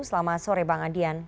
selamat sore bang adian